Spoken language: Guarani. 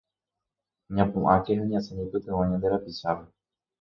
Ñapu'ãke ha ñasẽ ñaipytyvõ ñande rapichápe